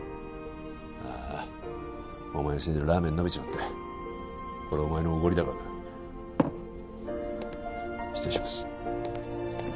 あーあお前のせいでラーメンのびちまったこれはお前のおごりだからな失礼します